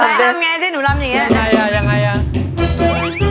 ลำยังไงต้๊ะจะรำแน่อย่างงี้